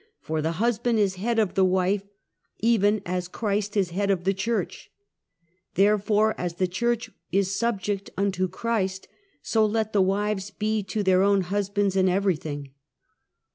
For the husband is head of the wife even as Christ is head of the church; therefore, as the church is subject unto Christ, so let the wives be to their own husbands in everything."